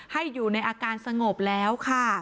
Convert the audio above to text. ให้อยู่ในอาการสงบแล้วค่ะ